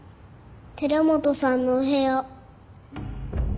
寺本さんのお部屋。